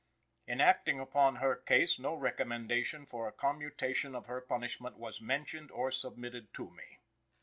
In acting upon her case no recommendation for a commutation of her punishment was mentioned or submitted to me."